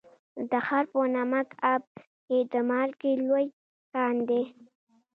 د تخار په نمک اب کې د مالګې لوی کان دی.